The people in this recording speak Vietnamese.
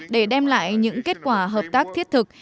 để đem lại những kết quả hợp tác thiết thực